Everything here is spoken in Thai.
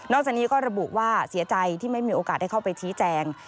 จากนี้ก็ระบุว่าเสียใจที่ไม่มีโอกาสได้เข้าไปชี้แจง